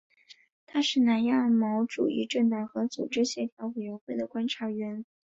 它是南亚毛主义政党和组织协调委员会的观察员。